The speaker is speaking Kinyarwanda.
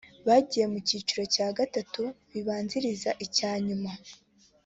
bagiye mu cyiciro cya gatatu kibanziriza icya nyuma